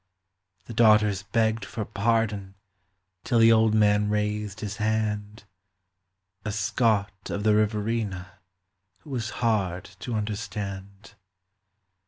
The daughters begged for pardon till the old man raised his hand A Scot of the Riverina who was hard to understand.